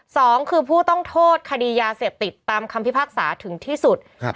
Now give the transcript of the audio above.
สองคือผู้ต้องโทษคดียาเสพติดตามคำพิพากษาถึงที่สุดครับ